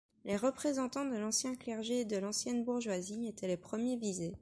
Les représentants de l'ancien clergé et de l'ancienne bourgeoisie étaient les premiers visés.